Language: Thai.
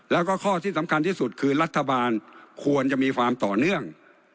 แล้วก็ข้อที่สำคัญที่สุดคือรัฐบาลควรจะมีความต่อเนื่อง